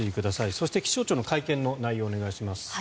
そして、気象庁の会見の内容をお願いします。